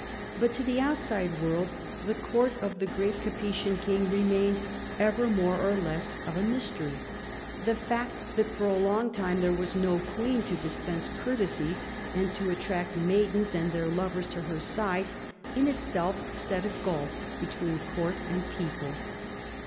But to the outside world the court of the great Capetian king remained ever more or less of a mystery. The fact that for a long time there was no queen to dispense courtesies and to attract maidens and their lovers to her side, in itself set a gulf between court and people.